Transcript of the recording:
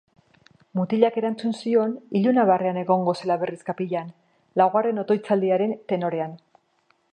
Mutilak erantzun zion ilunabarrean egongo zela berriz kapijan, laugarren otoitzaldiaren tenorean.